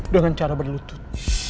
dengan cara berlutut